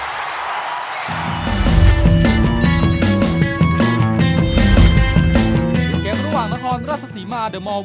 ดีกว่าที่เจ้าชินได้เป็นละตัวของนำไว้ก่อนครับจากศิษย์คิดของวิวัตรไทยเจริญ